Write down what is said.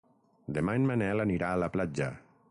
Demà en Manel anirà a la platja.